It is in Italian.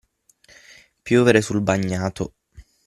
Piovere sul bagnato.